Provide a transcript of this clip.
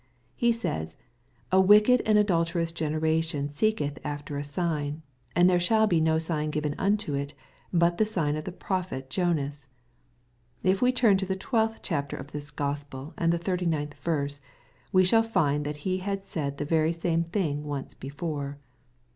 He says, *^ a wicked and adulterous generation seeketh after a sign ; and there shall no sign be given unto it, but the sign of the prophet Jonas." If we turn to the twelfth chapter of this Gospel and the 39 th verse, we shall find that He had said the very same thing once before.